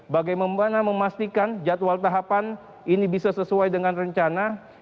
bagaimana memastikan jadwal tahapan ini bisa sesuai dengan rencana